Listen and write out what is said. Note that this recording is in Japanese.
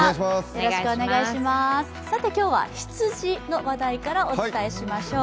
今日は羊の話題からお伝えしましょう。